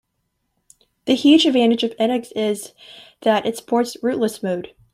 The huge advantage of NX is that it supports "rootless" mode.